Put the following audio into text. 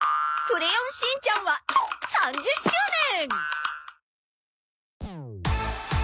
『クレヨンしんちゃん』は３０周年。